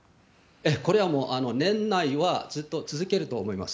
これはもう年内はずっと続けると思います。